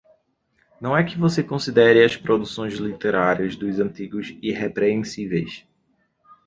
Não é que você considere as produções literárias dos antigos irrepreensíveis.